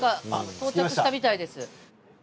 到着したみたいです。